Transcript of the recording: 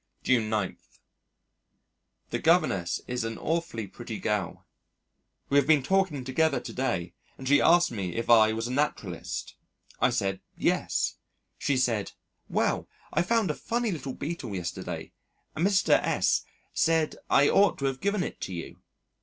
June 9. The governess is an awfully pretty girl. We have been talking together to day and she asked me if I were a naturalist. I said "Yes." She said, "Well, I found a funny little beetle yesterday and Mr. S said I ought to have given it to you."